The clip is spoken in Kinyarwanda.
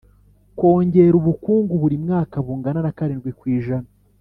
kongera ubukungu buri mwaka bungana na karindwi ku ijana